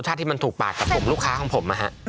รสชาติที่มันถูกปากกับกลุ่มลูกค้าของผม